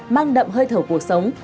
mang đậm hơi thở cuộc sống